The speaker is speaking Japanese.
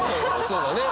そうだね。